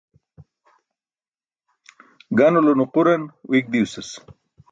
Ganulo nuquran uiyk diwsas.